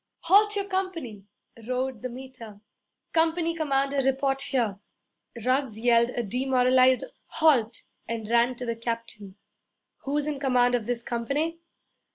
'Halt your company!' roared the Meter. 'Company commander report here!' Ruggs yelled a demoralized 'Halt!' and ran to the captain. 'Who's in command of this company?'